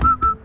ya udah deh